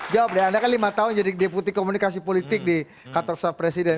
jawab deh anda kan lima tahun jadi deputi komunikasi politik di kantor staf presiden